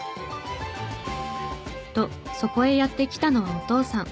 とそこへやって来たのはお父さん。